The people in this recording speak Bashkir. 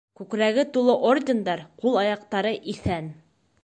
Күкрәге тулы ордендар, ҡул-аяҡтары иҫән!